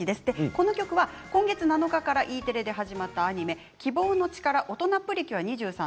この曲は今月７日からＥテレで始まったアニメ「キボウノチカラオトナプリキュア’２３」